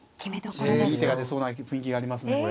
いい手が出そうな雰囲気がありますね